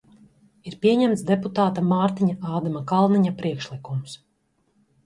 Ir pieņemts deputāta Mārtiņa Ādama Kalniņa priekšlikums.